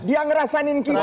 dia ngerasain kita